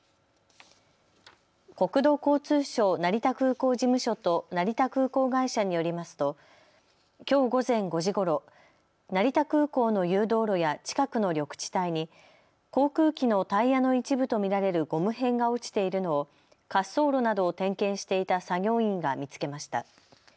国土交通省成田空港事務所と成田空港会社によりますときょう午前５時ごろ、成田空港の誘導路や近くの緑地帯に航空機のタイヤの一部と見られるゴム片が落ちているのを滑走路などを点検していた作業員が見つけました。